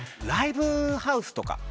ライブハウスとか。